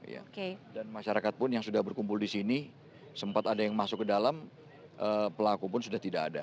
dan masyarakat pun yang sudah berkumpul di sini sempat ada yang masuk ke dalam pelaku pun sudah tidak ada